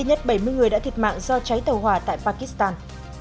ít nhất bảy mươi người đã thiệt mạng do cháy tàu hỏa tại pakistan